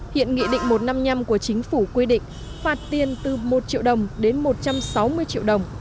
hiện nghị định một trăm năm mươi năm của chính phủ quy định phạt tiền từ một triệu đồng đến một trăm sáu mươi triệu đồng